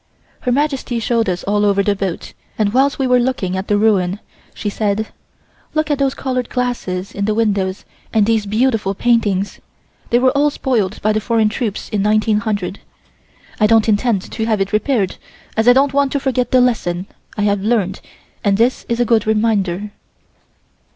Her Majesty showed us all over the boat, and whilst we were looking at the ruin, she said: "Look at those colored glasses in the windows and these beautiful paintings. They were all spoiled by the foreign troops in 1900. I don't intend to have it repaired as I don't want to forget the lesson I have learned and this is a good reminder."